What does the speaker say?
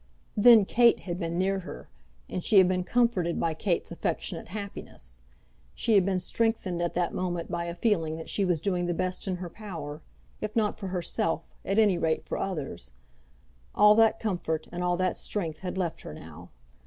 Then Kate had been near her, and she had been comforted by Kate's affectionate happiness. She had been strengthened at that moment by a feeling that she was doing the best in her power, if not for herself, at any rate for others. All that comfort and all that strength had left her now.